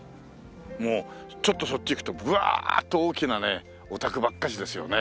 もうちょっとそっち行くとブワーッと大きなねお宅ばっかしですよね。